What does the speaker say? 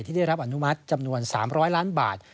ได้รับอนุมัติจำนวน๓๐๐ล้านบาท